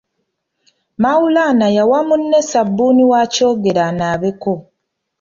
Maulana yawa munne ssabbuuni wa Kyogero anaabeko.